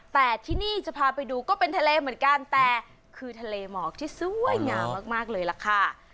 แต่ที่นี่จะพาไปดูก็เป็นทะเลเหมือนกันแต่คือทะเลหมอกที่สวยงามมากเลยล่ะค่ะ